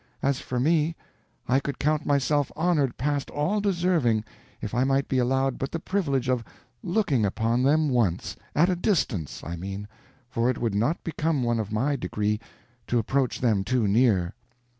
As for me, I could count myself honored past all deserving if I might be allowed but the privilege of looking upon them once—at a distance, I mean, for it would not become one of my degree to approach them too near."